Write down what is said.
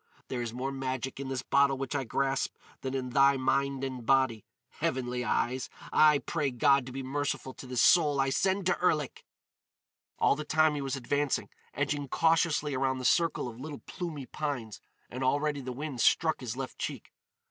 There is more magic in this bottle which I grasp than in thy mind and body. Heavenly Eyes! I pray God to be merciful to this soul I send to Erlik!" All the time he was advancing, edging cautiously around the circle of little plumy pines; and already the wind struck his left cheek.